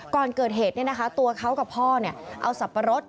ก่อนเกิดเหตุตัวเขากับพ่อเอาสับปะรด